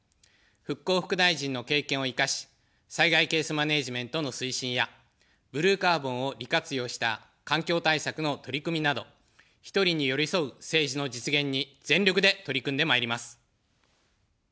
復興副大臣の経験を生かし、災害ケースマネジメントの推進や、ブルーカーボンを利活用した環境対策の取り組みなど、１人に寄り添う政治の実現に全力で取り組んでまいります。